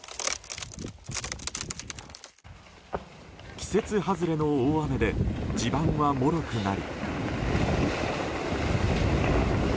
季節外れの大雨で地盤はもろくなり。